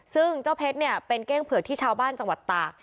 ซึ่งเจ้าเพชรเนี่ยเป็นเก้งเผือกที่ชาวบ้านจังหวัดตาก